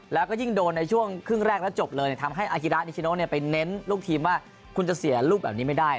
แล้วก็ยิ่งโดนในช่วงครึ่งแรกแล้วจบเลยทำให้อากิระนิชโนไปเน้นลูกทีมว่าคุณจะเสียลูกแบบนี้ไม่ได้